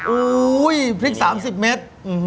อุ้ยพริก๓๐เม็ด